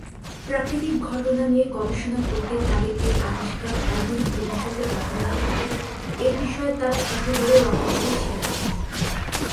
প্রাকৃতিক ঘটনা নিয়ে গবেষণা করতে তাদের এ আবিষ্কার অদূর ভবিষ্যতে ব্যবহৃত হবে; এবিষয়ে তারা একেবারেই ওয়াকিবহাল ছিলেন না।